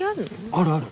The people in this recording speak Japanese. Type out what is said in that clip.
あるある。